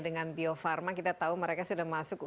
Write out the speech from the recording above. dengan bio farma kita tahu mereka sudah masuk